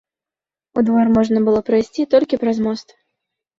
У двор можна было прайсці толькі праз мост.